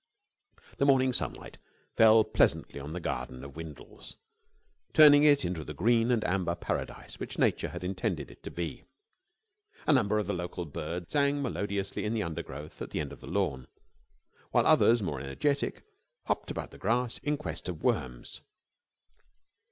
The morning sunlight fell pleasantly on the garden of Windles, turning it into the green and amber Paradise which Nature had intended it to be. A number of the local birds sang melodiously in the under growth at the end of the lawn, while others, more energetic, hopped about the grass in quest of worms.